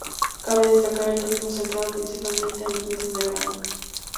Cabe destacar el turismo centrado principalmente en los meses de verano.